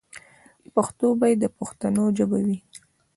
پښتو باید د پښتنو ژبه وي.